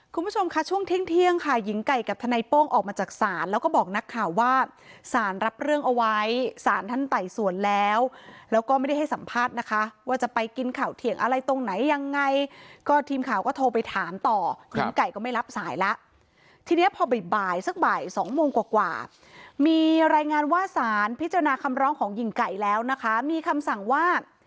คุณผู้ชมค่ะช่วงเที่ยงค่ะหญิงไก่กับทนายโป้งออกมาจากศาลแล้วก็บอกนักข่าวว่าสารรับเรื่องเอาไว้สารท่านไต่สวนแล้วแล้วก็ไม่ได้ให้สัมภาษณ์นะคะว่าจะไปกินข่าวเถียงอะไรตรงไหนยังไงก็ทีมข่าวก็โทรไปถามต่อหญิงไก่ก็ไม่รับสายแล้วทีเนี้ยพอบ่ายสักบ่ายสองโมงกว่ามีรายงานว่าสารพิจารณาคำร้องของหญิงไก่แล้วนะคะมีคำสั่งว่า